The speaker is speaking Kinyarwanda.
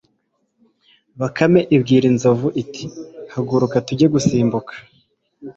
Bakame ibwira inzovu iti Haguruka tujye gusimbuka